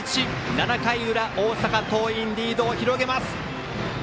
７回裏、大阪桐蔭リードを広げます！